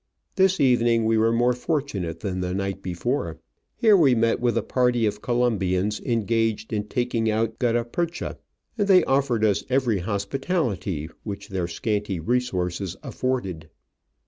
This evening we were more fortunate than the night before. Here we met with a party of Colom bians engaged in taking out gutta percha, and they offered us every hospitality which their scanty resources afforded.